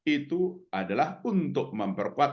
itu adalah untuk memperkuat